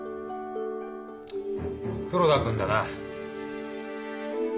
黒田君だな。